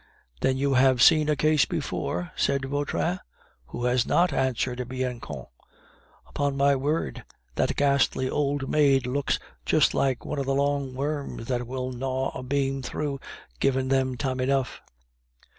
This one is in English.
"Then you have seen a case before?" said Vautrin. "Who has not?" answered Bianchon. "Upon my word, that ghastly old maid looks just like one of the long worms that will gnaw a beam through, give them time enough."